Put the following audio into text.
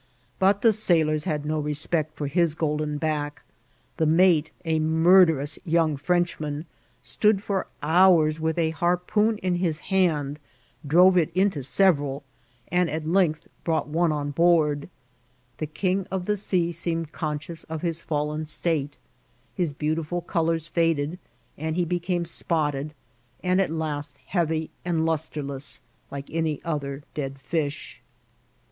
But the sailors had no respect for his golden back. The mate, a murder ous young Frenchman, stood for hours with a harpoon in his hand, drove it into several, and at length brou^^t 8UCCS88I0K OP T0LCAK0S8. one on board. The king of the sea seemed conscious of his fallen state ; his beantifbl odkinrs faded, and he became spotted, and at last heavy and lustreless, like any other dead fish.